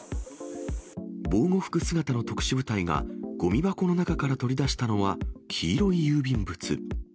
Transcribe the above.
防護服姿の特殊部隊がごみ箱の中から取り出したのは、黄色い郵便物。